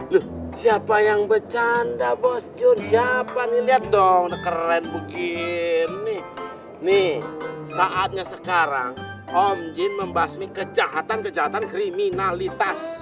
loh siapa yang bercanda bos jun siapa nih lihat dong keren begini nih saatnya sekarang om jin membasmi kejahatan kejahatan kriminalitas